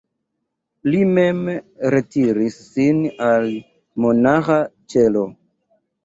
Li mem retiris sin al monaĥa ĉelo.